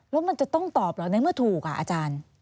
แล้วมันจะต้องตอบเหรอในเมื่อถูกอาจารย์